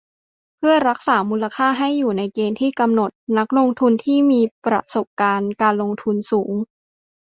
เพื่อรักษามูลค่าให้อยู่ในเกณฑ์ที่กำหนด นักลงทุนที่มีประสบการณ์การลงทุนสูง